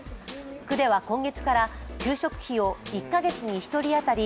区では今月から給食費を１カ月に１人当たり